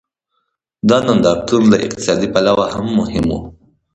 دا نندارتون له اقتصادي پلوه هم مهم و.